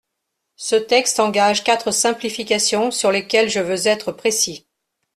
Ce texte engage quatre simplifications sur lesquelles je veux être précis.